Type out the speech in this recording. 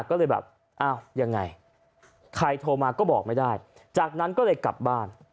ก็เลยแบบอ้าวยังไงใครโทรมาก็บอกไม่ได้จากนั้นก็เลยกลับบ้าน